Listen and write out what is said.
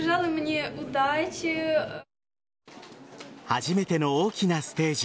初めての大きなステージ。